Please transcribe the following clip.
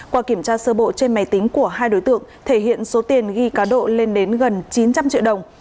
qua kiểm tra sơ bộ trên máy tính của hai đối tượng thể hiện số tiền ghi cá độ lên đến gần chín trăm linh triệu đồng